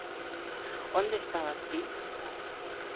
Onde estabas Ti?